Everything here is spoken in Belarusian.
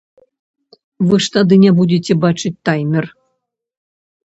Вы ж тады не будзеце бачыць таймер!